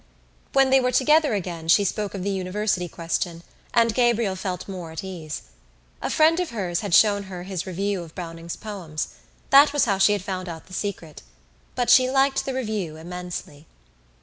When they were together again she spoke of the University question and Gabriel felt more at ease. A friend of hers had shown her his review of Browning's poems. That was how she had found out the secret: but she liked the review immensely.